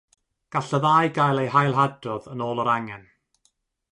Gall y ddau gael eu hailadrodd yn ôl yr angen.